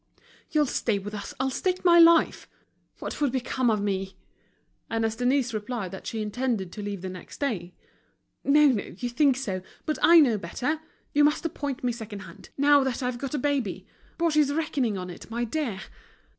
"You'll stay with us, I'll stake my life. What would become of me?" And as Denise replied that she intended to leave the next day. "No, no, you think so, but I know better. You must appoint me second hand, now that I've got a baby. Baugé is reckoning on it, my dear."